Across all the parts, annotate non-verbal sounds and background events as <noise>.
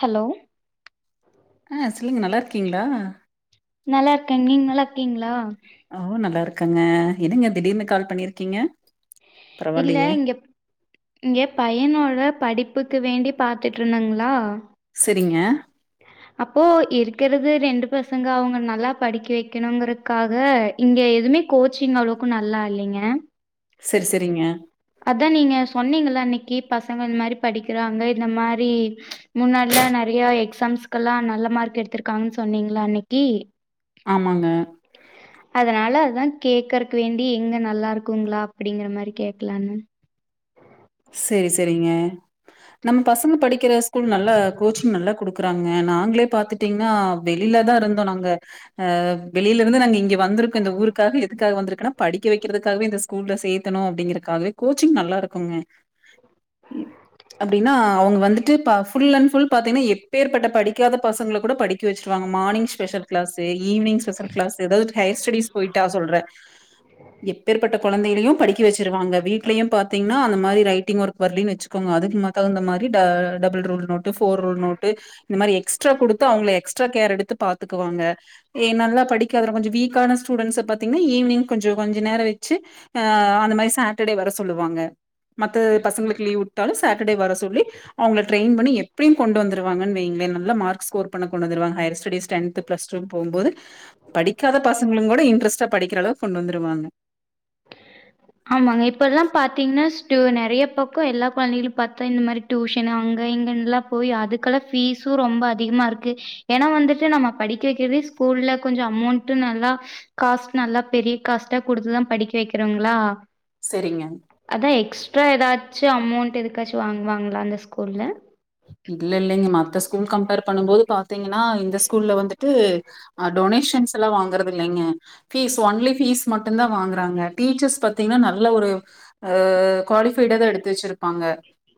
Hello ஆ சொல்லுங்க நல்லாருக்கீங்களா நல்லா இருக்கேங் நீங் நல்லா இருக்கீங்களா ஓ நல்லா இருக்கங்க என்னங்க திடீர்னு கால் பண்ணிருக்கீங்க இல்ல இங்க ப் இங்க பையனோட படிப்புக்கு வேண்டி பாத்துட்ருந்தங்களா சேரிங்க அப்போ இருக்கிறது ரெண்டு பசங்க அவுங்க நல்லா படிக்க வெக்கணுங்கற க்காக இங்க எதுமே கோச்சிங் அளவுக்கோ நல்லா இல்லைங்க சேர் சேரிங்க அதா நீங்க சொன்னீங்கல அன்னைக்கு பசங்க. இந்த மாரி படிக்கிறாங்க இந்த மாரி முன்னாடிலா நெறய எக்ஸாம்ஸ்க்கெல்லா நல்ல மார்க் எடுத்திருக்காங்கன்னு சொன்னீங்களா அன்னைக்கி ஆமாங்க அதனால அதா கே்கறக்கு வேண்டி எங்க நல்லா இருக்குங்களா அப்டிங்கிற மாரி கேக்கலானு சேரி சேரிங்க நம் பசங்க படிக்கிற ஸ்கூல் நல்லா கோச்சிங் நல்லா குடுக்குறாங்க நாங்களே பாத்துட் டிங்கன்னா வெளிலதா இருந்தோ நாங்க அ வெளி இருந்து நாங்க இங்க வந்திருக்கோ இந்த ஊருக்காக எதுக்காக வந்திருக்கன்னா படிக்க வைக்கிறதுக்காகவே இந்த ஸ் கூட் சேத்தணு அப்படிங்கறக்காகவே கோச்சிங் நல்லா இருக்குங்க அப்படினா அவுங்க வந்து ட்டு ப ஃபுள் அண்ட் ஃபுள் பாத்தீங்கன்னா எப்பேர் பட்ட படிக்காத பசங்கல கூட படிக்க வச்சிருவாங்க மார்னிங் ஷு special class evening special class அதாவது ஹையர் ஸ்டடிஸ் போயிட்டா சொல்றே எப்பேர் பட்ட கொழந்தைகளையு படிக்க வெச்சிருவாங்க வீட்லயு பாத்தீங்கன்னா அந்த மாரி ரைட்டிங் ஒர்க் வர்லின்னு வெச் க்காங்க அதுக்கு ம தகுந்த மாரி ஆ double rule note four rule note இந்த மாரி எக்ஸ்ட்ரா குடுத்து அவங்க எக்ஸ்ட்ரா கேர் எடுத்து பாத்துக்குவாங்க ஏ நல்லா படிக்காத கொஞ்சோ வீக்கான ஸ்டூடண்ட்ஸ் பாத்தீங்கன்னா ஈவினிங் கொஞ்ச கொஞ்சோ நேரோ வெச்சு ஆ அந்த மாரி சாட்டர்டே வர சொல்லுவாங்க த்து பசங்களுக்கு லீவ் விட்டாலு சாட்டர்டே வர சொல்லி அவங்கள ட்ரெயின் பண்ணி எப்டியு கொண்டு வந்துருவாங்கானு வைங்களே நல்ல மார்க் ஸ்கோர் பண்ண கொண்டு வந்துடுவாங்க hour studies tenth plus two போம்போது படிக்காத பசங்களுங் கூட இன்ட்ரெஸ்டா படிக்கிற அளவுக்கு கொண்டு வந்துருவாங்க ஆமாங்க இப்ப எல்லா பாத்தீங்கன்னா ஸ்டு நெறைய பக்கோ எல்லா கொழந்தைகளு பாத்தா இந்த மாரி டியூஷனு அங்கே இங்கேனுல்லா போய் அதுக்கெல்லா ஃபீசு ரொம்ப அதிகமாக இருக்கு ஏன்னா வந்துட்டு நம்ம படிக்க வைக்கிறது ஸ்கூல்ல கொஞ்சோ அமௌண்ட்டு நல்லா காஸ்ட் நல்லா பெரிய காஸ்ட்டா குடுத்துதா படிக்க வைக்கிறோங்ளா செரிங்க அதா எக்ஸ்ட்ரா எதாச்சு அமௌண்ட் எதுக்காச்சு வாங்கு வாங்களா அந்த ஸ்கூல்ல இல்லல்லிங்க மத்த ஸ்கூல் கம்பேர் பண்ணும் போது பாத்தீங்கன்னா இந்த ஸ்கூல்ல வந்துட்டு ஆ டொனேஷன்ஸ் எல்லா வாங்குறது இல்லிங்க ஃபீஸ் ஒன்லி ஃபீஸ் மட்டு தா வாங்குறாங்க டீச்சர்ஸ் பாத்தீங்கன்னா நல்ல ஒரு ஆ குவாலிபைடா தா எடுத்து வெச்சிருப்பாங்க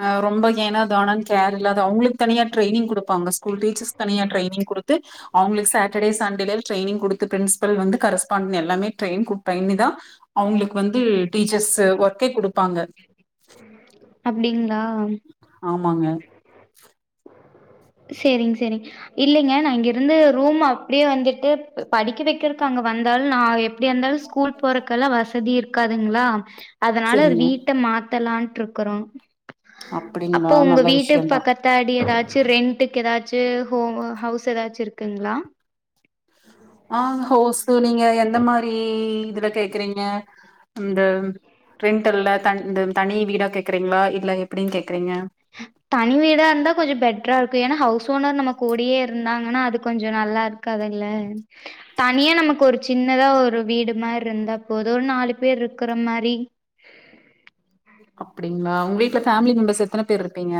ஆ ரொம்ப ஏனோ தோ கேர் இல்லாது அவங்களுக்கு தனியா ட்ரைனிங் குடுப்பாங்க ஸ்கூல் டீச்சர்ஸ்க்கு தனியா ட்ரைனிங் குடுத்து அவங்களுக்கு சாட்டர்டே சண்டேல ட்ரைனிங் குடுத்து ஃபிரிண்ஸ் பல் வந்து கரஸ்பாண்ட எல்லாமே ட்ரைன் குடுத்து ட்ரைன் பண்ணிதா அவங்களுக்கு வந்து டீச்சர்ஸ் ஒர்கே குடுப் பாங்க அப்டீங்ளா ஆமாங்க சேரிங் சேரிங் இல்லிங்க நா இங்கிருந்து ரூம் அப்டியே வந்துட்டு படிக்க வைக்கிறக்கு அங்க வந்தாலு நா எப் எப்டியா இருந்தாலு ஸ்கூல் போறக்கெல்லா வசதி இருக்காதுங்ளா அதனால சரிங்க வீட்ட மாத்தலான்ட்டு இருக் க்குறோ அப்படிங்களா அப்ப உங்க நல்ல வீட்டுக்கு விஷயம்தா பக்கத் த்தாடி எதாச்சு ரெண்ட்டக்கு எதாச்சு ஹோ ஹவுஸ் எதாச்சு இருக்குங்ளா ஆ ஹோசு நீங்க எந்த மாரி இதுல கேக்குறீங்க இந்த ரெண்ட்டெல்ல த இந்த தனி வீடா கேக்குறீங்ளா இல்ல எப்டின்னு கேக்குறீங்க தனி வீடா இருந்தா கொஞ்சோ பெட்ரா இருக்கு ஏன்னா ஹவுஸ் ஓனர் நம்ம கூடயே இருந்தாங்கன்னா அது கொஞ்சோ நல்லா இருக் க்காதுல தனியா நமக்கு ஒரு சின்னதா ஒரு வீடு மாரி இருந்தா போது ஒரு நாலு பேர்யிருக்கிற மாரி அப்டிங்ளா உங்க வீட்ல ஃபேமிலி மெம்பர்ஸ் எத்தன பேர் இருப்பீங்க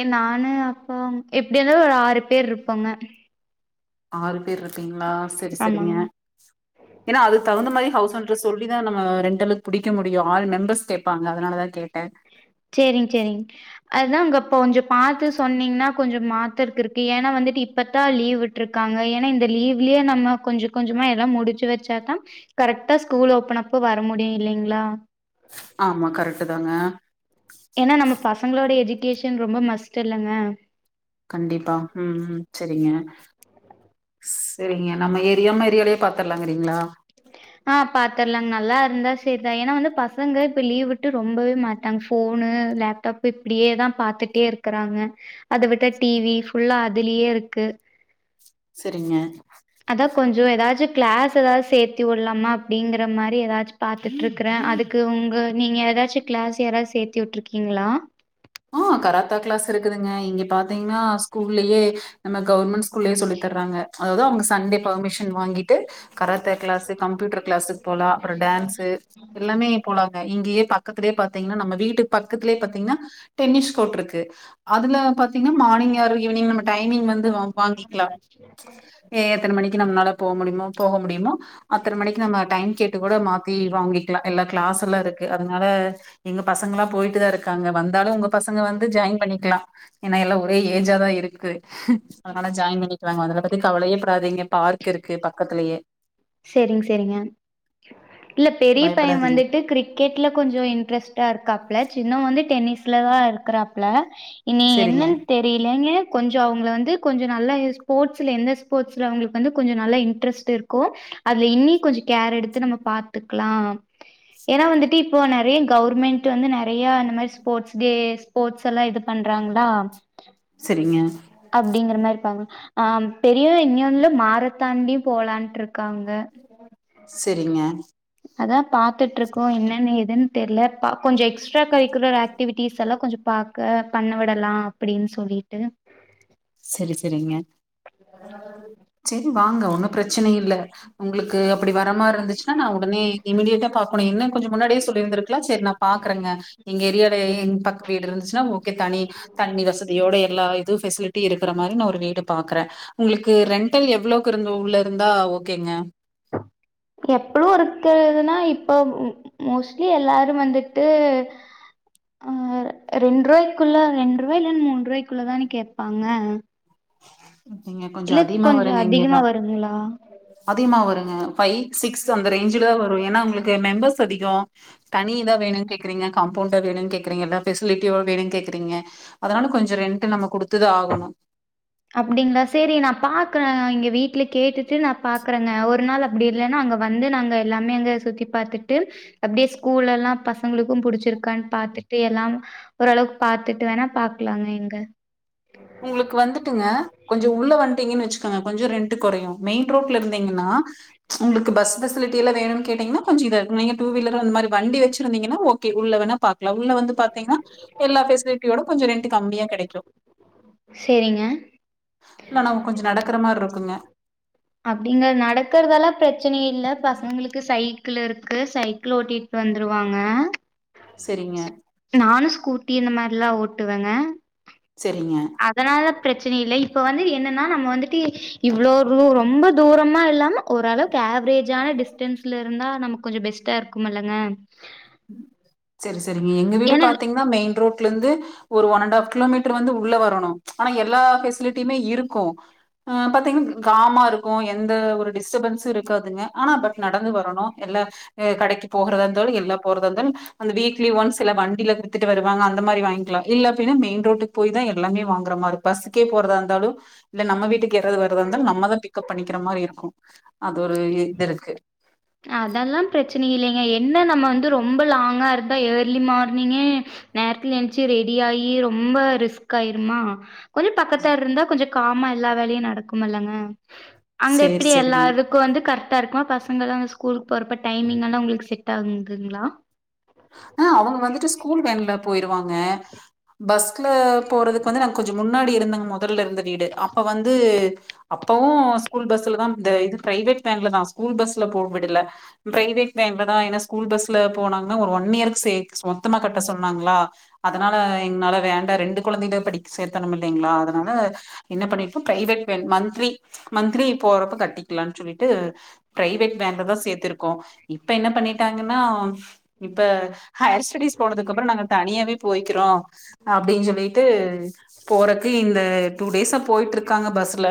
ஏ நானு அப்பா எப்டி இருந்தாலு ஒரு ஆறு பேரு இருப்போங்க ஆறு பேர் இருப்பீங்ளா செரி செரிங்க ஆமாங் ஏன்னா அதுக்கு தகுந்த மாரி ஹவுஸ் ஓணர்ட்ட சொல்லி தா நம்ம ரெண்டலுக்கு புடிக்க முடியு ஆள் மெம்பர்ஸ் கேப் ப்பாங்க அதனால தா கேட்டே சேரிங் சேரிங் அதுதா அங்க கொஞ்சோ பாத்து சொன்னீங்கன்னா கொஞ்சோ மாத்தருக்கு இருக்கு ஏன்னா வந்துட்டு இப்பத்தா லீவ் விட் டிருக்காங்க ஏன்னா இந்த லீவ்லயே நம்ம கொஞ்சோ கொஞ்சமா எல்லா முடிச்சு வெச்சாதா கரெக்டா ஸ்கூல் ஓபன் அப்ப வர முடியு இல்லிங்ளா ஆமா கரெக்ட்டு தாங்க ஏன்னா நம்ம பசங்களோட எஜுகேஷன் ரொம்ப மஸ்ட் இல்லங்க கண்டிப்பா ம் ம் செரிங்க செரிங்க நம்ம ஏரியாமரியலே பாத்லாங்கறீங்களா ஆ பாத்தற்லாங் நல்லாருந்தா செரிதா ஏனா வந்து பசங்க இப்ப லீவ் விட்டு ரொம்பவே மாறி ட்டாங் ஃபோனு லேப்டாப் இப்டியேதா பாத்துட்டேருக்கறாங்க அத விட்டா டி வி ஃபுல்லா அதுலயே இருக்கு செரிங்க அதா கொஞ்சோ எதாச்சு க்ளாஸ் எதாது சேர்த்தி வுட்லாமா அப்டிங்கற மாரி எதாச்சு பா த்துட்ருக்கறே அதுக்கு ஒங்க நீங்க எதாச்சு க்ளாஸ் யாராவது சேர்த்து வுட்ருக்கீங்களா ஆ கராத்தா க்ளாஸ் இருக்குதுங்க இங்க பாத்தீங்கன்னா ஸ்கூல்லயே நம்ம கவர்மெண்ட் ஸ் கூல்லயே சொல்லி தர்றாங்க அதாவது அவுங்க சண்டே பர்மிஷன் வாங்கி ட்டு கராத்தே க்ளாஸ்ஸு கம்ப்யூட்டர் க்ளாஸ்க்கு போலா அப்றோ டான்ஸ்ஸு எல்லாமே போலாங்க இங்கயே பக்கத்துலயே பாத்தீங்கன்னா நம்ம வீட்டுக்கு பக்கத்துலே பாத்தீங்கன்னா டென்னிஸ் கோர்ட்ருக்கு அதுல பாத்தீங்கன்னா மார்னிங் ஆர் ஈவ்னிங் நம்ம டைமிங் வந்து வா வாங்கிக்லா எ எத்தன மணிக்கி நம்ளால போ முடிமோ போக முடிமோ அத்தன மணிக்கு நம்ம டைம் கேட்டு கூட மாத்தி வாங்கிக்லா எல்லா க்ளாஸ் எல்லா இருக்கு அதனால எங்க பசங்கள்ல்லா போய்ட்டு தாருக்காங்க வந்தாலு ஒங்க பசங்க வந்து ஜாயின் பண்ணிக்லா ஏனா எல்லா ஒரே ஏஜா தா இருக்கு அதனால ஜாயின் பண்ணி க்குவாங்க அதுல்ல பத்தி கவலயேப்படாதீங்க பார்க் இருக்கு பக்கத்துலயே செரிங் செரிங்க இல்ல பெரிய பையே பயப்படாதீங்க வந்துட்டு கிர் க்கெட்ல கொஞ்சோ இன்ட்ரெஸ்ட்டா இருக்காப்ல சின்னவே வந்து டென்னிஸ்ல தா இருக்குறாப்ல இனி என்ன சரிங்க தெ ரிலைங்க கொஞ்சோ அவுங்கள வந்து கொஞ்சோ நல்லா ஸ்போர்ட்ஸ்ல எந்த ஸ்போர்ட்ஸ்ல அவுங்களுக்கு வந்து கொஞ்சோ நல்லா இன்ட்ரெஸ்ட்ரு கோ அதுல இன்னி கொஞ்சோ கேர் எடுத்து நம்ம பாத்துக்லா ஏனா வந்துட்டு இப்போ நறைய கவர்மெண்ட் வந்து நறையா இந்த மாரி ஸ்போர்ட்ஸ் டே ஸ் போர்ட்ஸ்ஸல்லா இது பண்றாங்களா செரிங்க அப்டிங்கிற மார்ருப்பாங்க ஆ பெரியவே இன்னியுல்ல மாரத்தான்லயு போலான்ட்ருக்காங்க செரிங்க அதா பாத்துட்ருக்கோ என்னன் ஏதுன் தெர்ல ப கொஞ்சோ எக்ஸ்ட்ரா கரிக்குலர் ஆக்டிவிட்டிஸ்ஸெல்லா கொஞ்சோ பா க்க பண்ண விடலா அப்டின் சொல்லிட்டு செரி செரிங்க செரி வாங்க ஒண்ணு பிரச்சன இல்ல உங்ளுக்கு அப்டி வரமார்ருந்துச்சுன்னா நா ஒடனே இம்மீடியட்டா பாக்கணு என்ன கொஞ்சோ முன்னாடியே சொல்லிருந்திருக்கலா செரி நா பாக்கறேங்க எங்க ஏரியாலே இந் பக்க வீடு இருந்துச்சுன்னா ஓகே தனி தண்ணி வசதியோட எல்லா இது ஃபெசிலி ட்டி இருக்குற மாரி நா ஒரு வீடு பாக்றே உங்ளுக்கு ரெண்டல் எவ்ளோக்குருந்து உள்ளருந்தா ஓகேங்க எப்பலு இருக்கறதுன்னா இப்போ மோஸ்ட்லி எல்லாரு வந்துட்டு ஆ ரெண் ரூவாய்க்குள்ள ரெண்டு ரூவா இல்லன்னா மூண் ரூவாய்க்குள்ளதான கேப்பாங்க இங்க கொஞ்சொ இல்ல அதிகமா கொஞ்சோ வருங்க இங்கெல்லா அதிகமா வருங்களா அதிகமா வருங்க ஃபைவ் சிக்ஸ் அந்த ரேஞ்ச்ல தா வரு ஏனா ஒங்களுக்கு மெம்பர்ஸ் அதிகோ தனி இதா வேணுன் கேக்குறீங்க காம்பௌண்டா வேணுன் கேக்குறீங்க எல்லா ஃபெசிலிட்டியோட வேணுன் கேக்குறீங்க அதனால கொஞ்சொ ரெண்ட்டு நம்ம குடுத்து தா ஆகணு அப்டிங்ளா சேரி நா பாக்குற இங்க வீட்ல கேட்டுட்டு நா பாக்குறேங்க ஒரு நாள் அப்டி இல்லன்னா அங்க வந்து நாங்க எல்லாமே அங்க சுத்தி பாத்துட்டு அப்டியே ஸ்கூல் எல்லா பசங்களுக்கு புடிச்சிருக்கான் பாத்துட்டு எல்லா ஒரளவுக்கு பாத்துட்டு வேணா பாக்லாங்க இங்க உங்ளுக்கு வந்துட்டுங்க கொ ஞ்சோ உள்ள வன்ட்டிங்கனு வச்சுக்கங்க கொஞ்சோ ரெண்ட்டு கொறையு மெயின் ரோட்ல இருந்தீங்கன்னா உங்ளுக்கு பஸ் ஃபெசிலிட்டி எல்லா வேணுன் கேட்டீங்னா கொஞ்சோ இதா நீங்க டூ வீலர் அந்த மாரி வண்டி வெச்சிருந்தீங்கன்னா ஓகே உள்ள வேணாப் பாக்லா உள்ள வந்து பாத்தீங்ன்னா எல்லா ஃபெசிலிட்டியோட கொஞ்சோ ரெண்ட்டு கம்மியா கெடைக்கு செரிங்க இல்ல நாம கொஞ்சோ நடக்குற மார்ருக்குங்க அப்டிங்க நடக்கறதல்லா பிரச்சன இல்ல பசங்களுக்கு சைக்கிள் இருக்கு சைக்கிள் ஓட்டி வந்துருவாங்க செரிங்க நானு ஸ்கூட்டி இந்த மார்லா ஓட்டுவேங்க செரிங்க அதனால ப்ரச்சன இல்ல இப்ப வந்து என்னன்னா நம்ம வந்துட்டு இவ்ளோ ளோ ரொம்ப தூரமா இல்லாம ஓரளவுக்கு ஆவ்ரேஜான டிஸ்டன்ஸ்ல இருந்தா நமக்கு கொஞ்சோ பெஸ்ட்டா இருக்குமெல்லங்க செரி செரிங்க எங்க வீடு பாத்தீங்ன்னா மெயின் ரோட் லிந்து ஒரு ஒன்னன் டா ஆஃப் கிலோ மீட்டர் வந்து உள்ள வரணு ஆனா எல்லா ஃபெசிலிட்டியுமே இருக்கு பாத்தீங்ன்னா காமா இருக்கு எந்த ஒரு டிஸ்டபன்ஸ்சு க்காதுங்க ஆனா பட் நடந்து வரணு எல்லா கடைக்கி போகறதா இருந்தாலு எல்லா போறதா இருந்தாலு அந்த வீக்லி ஒன்ஸ் சில வண்டில வித்துட்டு வருவாங்க அந்த மாரி வாங்லா இல்ல அப்பினா மெயின் ரோட்டுக் போய் தா எல்லாமே வாங்குற மாரி பஸ்க்கே போறதா இர்ந்தாலு இல்ல நம்ம வீட்டுக்கு யாராது வரதா இருந்தாலு நம்மதா பிக்கப் பண்ணிக்கிற மாரி இருக்கு அது ஒரு இது இருக்கு அதெல்லா பிரச்சன இல்லைங்க என்ன நம்ம வந்து ரொம்ப லாங்கா இருந் த ஏர்லி மார்னிங்கே நேர்த்ல என்ச்சு ரெடி ஆயி ரொம்ப ரிஸ்க் ஆயிருமா கொஞ்சோ பக்கத்தார் இர்ந்தா கொஞ்சோ காமா எல்லா வேலையு நடக்குமல்லங்க அங்க சேரி, எப்டி சேரிங்க. எல்லாருக் கு வந்து கர்ட்டாருக்குமா பசங்களா அங்க ஸ்கூலுக் போறப்ப டைமிங் எல்லா உங்ளுக்கு செட் ஆவுங்ங்குங்ளா ஆ அவங்க வந்துட்டு ஸ்கூல் வேன்ல போயிருவாங்க பஸ்ல போறதுக்கு வந்து நாங்க கொஞ்சோ முன்னாடி இருந்தங்க மொதல்ல இருந்த வீடு அப்ப வந்து அப்பவூ ஸ்கூல் பஸ்ல தா இந்த இது ப்ரைவெட் வேன்ல தா ஸ்கூல் பஸ்ல போ விடல ப்ரைவேட் வேன்ல தா ஏனா ஸ்கூல் பஸ்ல போனாங் க ஒரு ஒன் இயருக்கு சேக்ஸ் மொத்தமா கட்ட சொன்னாங்ளா அதனால எங்னால வேண்டா ரெண்டு கொழந்தைங்கள படி சேத்தனுமில்லைங்ளா அதனால என்ன பண்ணிருப்போ ப்ரைவேட் வேன் மன்த்லி மன்த்லி போறப்ப கட்டிக்லான் சொல்லிட்டு ப்ரைவேட் வேன்லதா சேத்திருக்கோ இப்ப என்ன பண்ணிட்டாங்கன்னா இப்ப ஹாயர் ஸ்டேடிஸ் போனதுக்கு அப்றோ நாங்க தனியாவே போய்க்றோ அப்டினு சொல்லீட்டு போறக்கு இந்த டூ டேஸா போயிட்ருக்காங்க பஸ்ல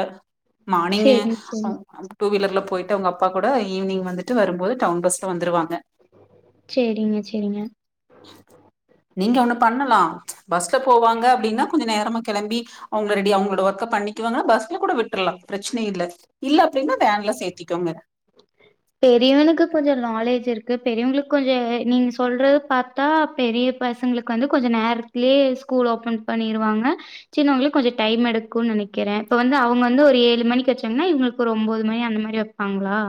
மானிங்கே சேரிங்க சேரிங்க. அவ் <unintelligible> டூ வீலர்ல பொயிட்டு அவுங்க அப்பா கூட ஈவ்னிங் வந்துட்டு வரும் போது டவுன் பஸ்ல வந்துருவாங்க சேரிங்க சேரிங்க நீங்க ஒண்ணு பண்ணலா பஸ்ல போவாங்க அப்டின்னா கொஞ்சோ நேரமா கெளம்பி அவங்கள ரெடி அவங்களோட ஒர்க்க பண்ணிக்குவாங்கன்னா பஸ்ல கூட விட்ரலா பிரச்சன இல்ல இல்ல அப்டின்னா வேன்ல சேத்திக்கோங்க பெரியவனுக்கு கொஞ்சோ நாலேஜ் இருக்கு பெரியவங்களுக்கு கொஞ்சோ நீங்க சொல்றது பாத்தா பெரிய பசங்களுக் கு வந்து கொஞ்சோ நேரத்திலே ஸ்கூல் ஓபன் பண்ணிருவாங்க சின்னவங்களுக்கு கொஞ்சோ டைம் எடுக்குன்னு நெனைக்கிறேன் இப்ப வந்து அவுங்க வந்து ஒரு ஏழு மணிக்கு வெச்சாங்கன்னா இவுங்களுக்கு ஒரு ஒம்போது மணி அந்த மாரி காங்ளா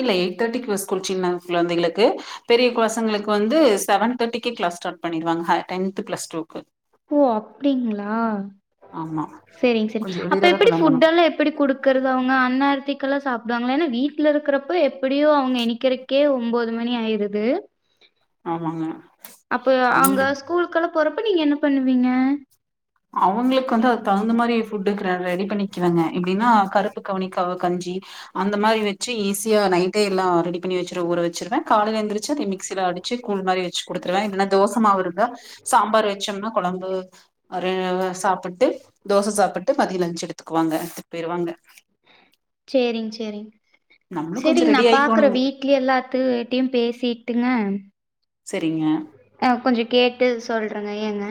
இல்ல எயிட் தேர்டிக்கு ஃபர்ஸ்ட் குள்ச்சீங்னா கொழந்தைகளுக்கு பெரிய கொ பசங்களுக்கு வந்து செவன் தேர்டிக்கே கிளாஸ் ஸ்டார்ட் பண்ணிடுவாங்க ஹ டென்த் பிளஸ் டூக்கு ஓ அப்டிங்ளா ஆமா செரிங்க செரி கொஞ்ச அப்ப எளியராதா எப்டி கெளம்பணு ஃபுடெல்லா எப்டி குடுக்கறது அவுங்க அன்னாரத்திக்கெல்லா சாப்டுவாங்ளா ஏனா வீட்ல இருக்கறப்போ எப்டியு அவுங்க எனிக்கிறக் கே ஒம்போது மணி ஆயிருது ஆமாங்க அப்ப அங்க அவங்களுக்கு ஸ்கூலுக்கு எல்லா போறப்ப நீங்க என்ன பண்ணுவீங்க அவுங்களுக்கு வந்து அது தகுந்த மாரி ஃபுட்டுகிற ரெடி பண்ணிக்கறங்க எப்டின்னா கருப்பு கவனிக்கவு கஞ்சி அந்த மாரி வெச்சு ஈசியா நைட்டே எல்லா ரெடி பண்ணி வெச்சிரு ஊற வெச்சிருவேன் காலைல எந்திருச்சு அத மிக்சில அடி ச்சு கூழ் மாரி வெச்சு குடுத்துருவேன் இல்லனா தோச மாவு இருந்தா சாம்பார் வெச்சம்னா கொழம்பு ஒரு சாப்ட்டு தோச சாப்புட்டு மதியோ லன்ச்சு எடுத்துக்குவாங்க எடுத்து போயிருவாங்க சேரிங் சேரிங் நம்மளு கொஞ்சோ சேரிங் நா ரெடி பாக்கற ஆயிக்கோணுங்க வீ ட்ல எல்லாத்துட்டயு பேசிட்டுங்க செரிங்க ஆ கொஞ்சோ கேட்டு சொல்றங்க ஏங்க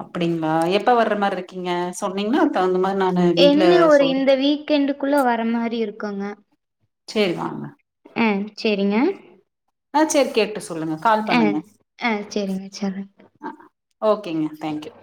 அப்டிங்ளா எப்ப வர்ற மாரி இருக்கீங்க சொன்னீங்கன்னா அதுக்கு தகுந்த மாரி நானு வீட்ல என்ன ஒரு சொல்லி இந்த வீக்கெண்டுக்குள்ள வர்ற மாரி இருக்குங்க சேரி வாங்க அ சேரிங்க ஆ சேரி கேட்டு சொல்லுங்க கால் ஆ பண்ணுங்க ஆ செரிங்க செரி ஆ ஓகேங்க தேங்க்யூ